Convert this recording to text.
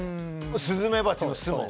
スズメバチの巣。